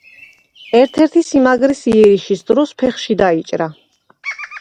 ერთ-ერთი სიმაგრის იერიშის დროს ფეხში დაიჭრა.